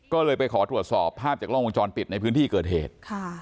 ก็เลยไปขอตรวจสอบภาพจากกล้องวงจรปิดในพื้นที่เกิดเหตุ